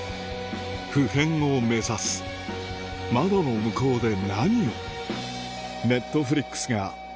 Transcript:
不変を目指す窓の向こうで何を？